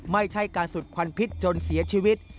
ไม่ใช่การสุดควันพิษจนเสียชีวิต